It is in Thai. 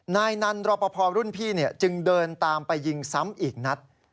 นายนันรอปภรุ่นพี่จึงเดินตามไปยิงซ้ำอีกนัด